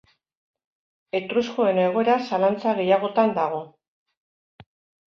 Etruskoen egoera zalantza gehiagotan dago.